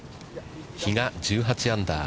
比嘉、１８アンダー。